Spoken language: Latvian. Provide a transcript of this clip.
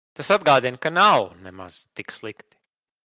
Tas atgādina, ka nav nemaz tik slikti.